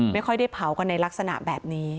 ไม่ค่อยได้เผากันในลักษณะแบบนี้